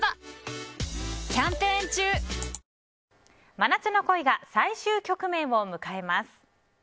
真夏の恋が最終局面を迎えます。